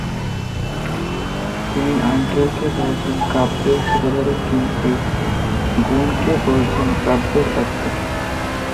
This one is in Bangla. তিনি অলঙ্কারকে বলেছেন কাব্যের শোভাবর্ধক, কিন্তু গুণকে বলেছেন কাব্যের আত্মা।